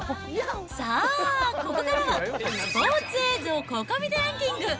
さあ、ここからは、スポーツ映像ココ見てランキング。